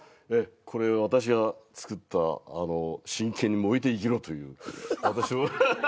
これ私が作った「真剣に燃えて生きろ」という。